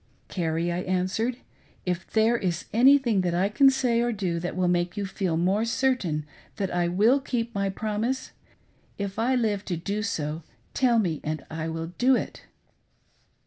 "Carrie," I answered, "if there is anything that I can say or do that will make you feel more certain that I will keep my promise, if I live to do so, tell me, and I will do it."